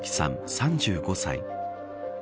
３５歳。